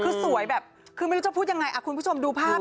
คือสวยแบบคือไม่รู้จะพูดยังไงคุณผู้ชมดูภาพ